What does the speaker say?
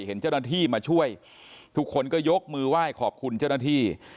เห็นเจ้าหน้าที่มาช่วยทุกคนก็ยกมือไหว้ขอบคุณเจ้าหน้าที่